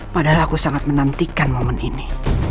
padahal aku sangat menantikan momen ini